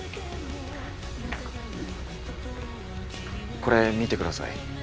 これ見てください。